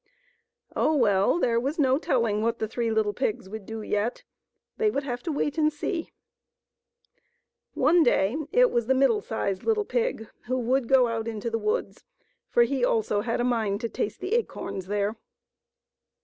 Oh, well, there was no telling what the three little pigs would do yet, they would have to wait and see. One day it was the middle sized little pig who would go out into the woods, for he also had a mind to taste the acorns there.